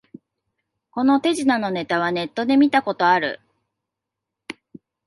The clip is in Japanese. この手品のネタはネットで見たことある